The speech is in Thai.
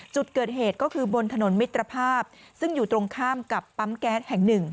จุดเกิดเหตุก็คือบนถนนมิตรภาพซึ่งอยู่ตรงข้ามกับปั๊มแก๊สแห่งหนึ่ง